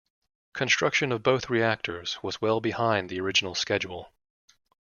Construction of both reactors was well behind the original schedule.